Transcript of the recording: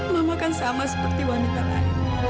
mama kan sama seperti wanita lain